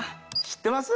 知ってます？